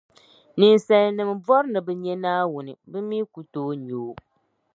Ninsalinima bɔri ni bɛ nya Naawuni bɛ mi ku tooi nya o.